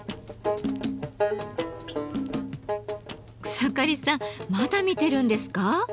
草刈さんまだ見てるんですか？